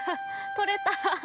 取れた。